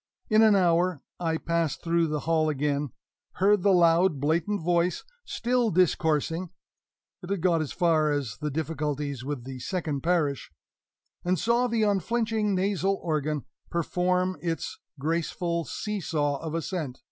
In an hour I passed through the hall again, heard the loud, blatant voice still discoursing (it had got as far as the difficulties with the second parish), and saw the unflinching nasal organ perform its graceful seesaw of assent.